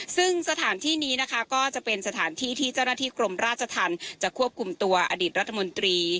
ซึ่งสถานที่นี้นะคะก็จะเป็นสถานที่ที่เจ้าหน้าที่กรมราชธรรมจะควบคุมตัวอดีตรัฐมนตรี